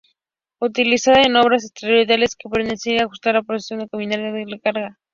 Utilizaba un obús con temporizador que permitía ajustar la detonación al cambiar la carga.